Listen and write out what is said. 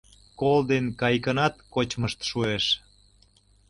Кол ден кайыкынат кочмышт шуэш...